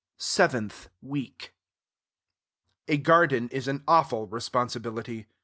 SEVENTH WEEK A garden is an awful responsibility.